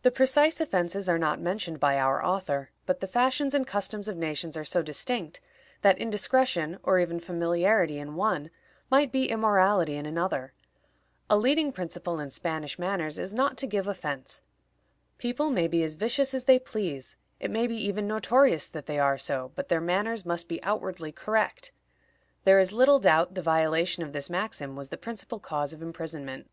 The precise offenses are not mentioned by our author, but the fashions and customs of nations are so distinct, that indiscretion, or even familiarity in one, might be immorality in another. A leading principle in Spanish manners is not to give offense. People may be as vicious as they please; it may be even notorious that they are so, but their manners must be outwardly correct. There is little doubt the violation of this maxim was the principal cause of imprisonment.